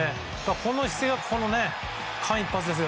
この姿勢が、間一髪ですよ。